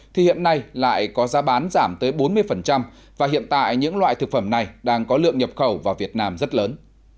thì hiện nay lại có giá bán giảm tới bốn mươi và hiện tại những loại thực phẩm này đang có lượng nhập khẩu vào việt nam rất lớn